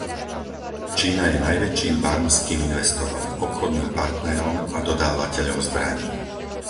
Čína je najväčším barmským investorom, obchodným partnerom a dodávateľom zbraní.